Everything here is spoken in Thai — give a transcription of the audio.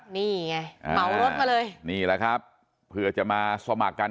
นี่ไงเหมารถมาเลยนี่แหละครับเพื่อจะมาสมัครกัน